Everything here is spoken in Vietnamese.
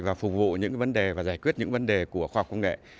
và phục vụ những vấn đề và giải quyết những vấn đề của khoa học công nghệ